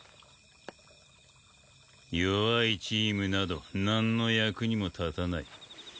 弱いチームなどなんの役にも立たない。